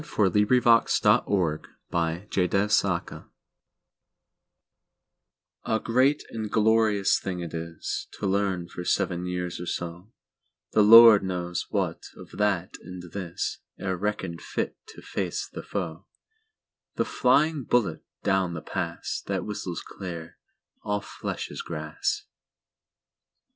Verse: 1885â1918. 1922. Arithmetic on the Frontier A GREAT and glorious thing it isTo learn, for seven years or so, The Lord knows what of that and this, Ere reckoned fit to face the foe—The flying bullet down the Pass, That whistles clear: "All flesh is grass."